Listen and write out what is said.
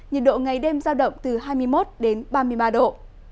nhiệt độ ngày đêm dao động từ hai mươi ba hai mươi năm độ